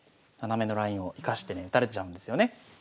斜めのラインを生かしてね打たれちゃうんですよね。